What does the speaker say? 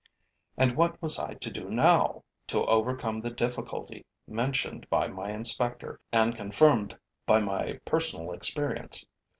And what was I to do now, to overcome the difficulty mentioned by my inspector and confirmed by my personal experience?